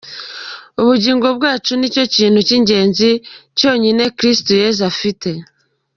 Ubugingo bwacu nicyo kintu cy’ingenzi cyonyine Kristo Yesu afite.